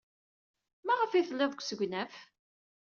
Maɣef ay tellid deg usegnaf?